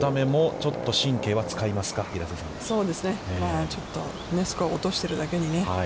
ちょっとスコアを落としているだけにね。